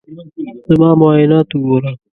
زما معاینات وګوره.